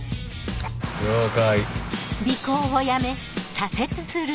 了解。